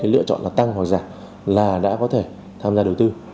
lựa chọn là tăng hoặc giả là đã có thể tham gia đầu tư